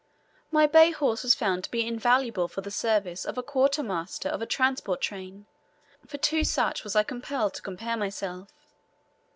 My bay horse was found to be invaluable for the service of a quarter master of a transport train; for to such was I compelled to compare myself.